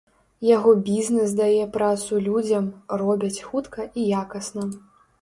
Яго бізнэс дае працу людзям, робяць хутка і якасна.